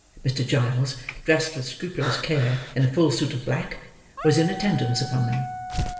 Mr. Giles, dressed with scrupulous care in a full suit of black, was in attendance upon them.